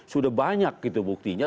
sudah banyak gitu buktinya